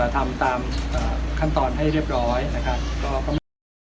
ทำตามขั้นตอนให้เรียบร้อย